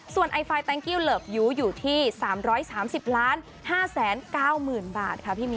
ส่วนไอไฟล์แต้งกิวเลิฟยูอยู่ที่๓๓๐๕๙๐ล้านบาทค่ะพี่นิ้ว